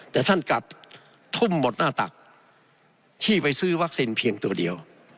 แต่ท่านกลับทุ่มหมดหน้าตักที่ไปซื้อวัคซีนเพียงตัวเดียว